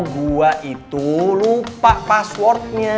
gue itu lupa passwordnya